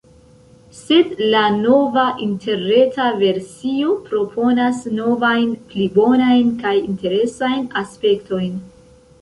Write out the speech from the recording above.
Sed la nova interreta versio proponas novajn pli bonajn kaj interesajn aspektojn.